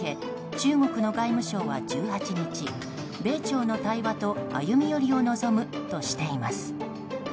中国の外務省は１８日米朝の対話と歩み寄りを望むとしています。